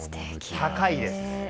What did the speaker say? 高いです。